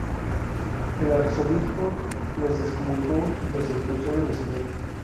El arzobispo los excomulgó y los expulsó de la ciudad.